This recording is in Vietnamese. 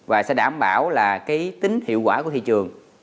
và sẽ đảm bảo là cái tính hiệu quả của thị trường